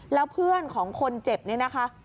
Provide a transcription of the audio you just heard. แล้วเพื่อนของคนเจ็บนี่นะคะ